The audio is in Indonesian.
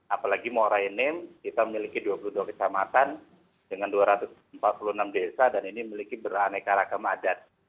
apalagi morainem kita memiliki dua puluh dua kecamatan dengan dua ratus empat puluh enam desa dan ini memiliki beraneka ragam adat